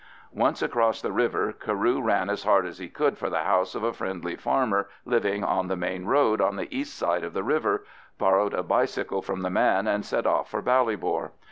Once across the river, Carew ran as hard as he could for the house of a friendly farmer living on the main road on the east side of the river, borrowed a bicycle from the man, and set off for Ballybor.